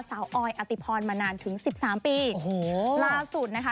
ออยอติพรมานานถึงสิบสามปีโอ้โหล่าสุดนะคะ